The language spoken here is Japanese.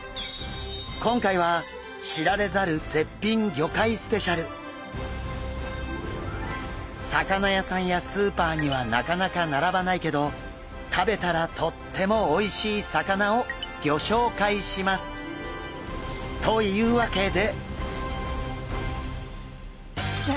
今回は魚屋さんやスーパーにはなかなか並ばないけど食べたらとってもおいしい魚をギョ紹介します！というわけで。